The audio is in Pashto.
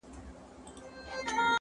• هرشاعر په قصیدو کي وي ستایلی -